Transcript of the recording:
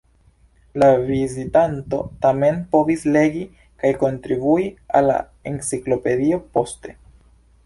La vizitanto tamen povis legi kaj kontribui al la enciklopedio poste.